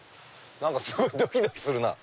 すごいドキドキするなぁ。